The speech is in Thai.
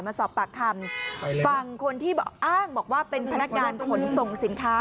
มาสอบปากคำฝั่งคนที่อ้างบอกว่าเป็นพนักงานขนส่งสินค้า